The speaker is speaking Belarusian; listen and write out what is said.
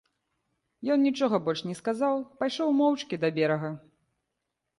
Ён нічога больш не сказаў, пайшоў моўчкі да берага.